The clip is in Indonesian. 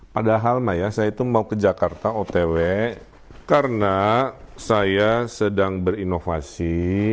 padahal maya saya itu mau ke jakarta otw karena saya sedang berinovasi